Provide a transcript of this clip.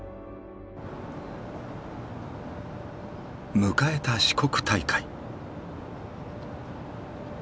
迎えた四国大会。